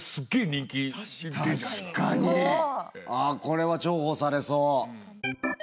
あこれは重宝されそう。